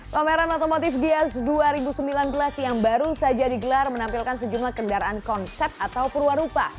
pameran otomotif gias dua ribu sembilan belas yang baru saja digelar menampilkan sejumlah kendaraan konsep atau perwarupa